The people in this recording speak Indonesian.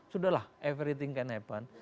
sudahlah everything can happen